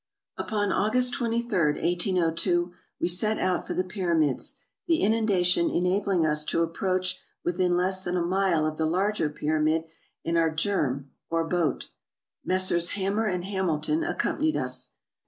Upon August 23, 1802, we set out for the Pyramids, the inundation enabling us to approach within less than a mile of the larger pyramid in our djerm or boat. Messrs. Hammer and Hamilton accompanied us.